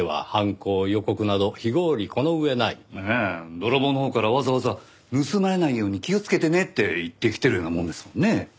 泥棒のほうからわざわざ盗まれないように気をつけてねって言ってきてるようなもんですもんね。